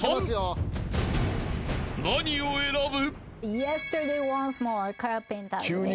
［何を選ぶ？］